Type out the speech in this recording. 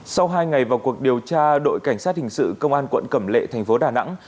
sau hai ngày vào cuộc điều tra đội cảnh sát hình sự công an quận cẩm lệ thành phố đà nẵng